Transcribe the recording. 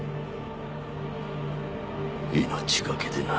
命懸けでな。